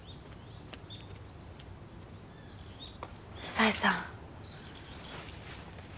紗絵さん。